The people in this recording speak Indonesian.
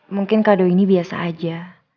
mungkin kado ini biasa aja